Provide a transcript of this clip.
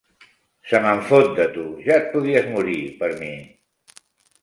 Se me'n fot, de tu: ja et podries morir, per mi!